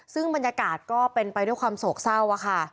ซึ่งบรรยากาศก็เป็นไปด้วยความโศกเศร้าค่ะ